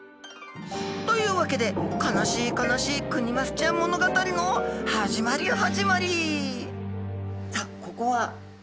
というわけで悲しい悲しいクニマスちゃん物語の始まり始まり。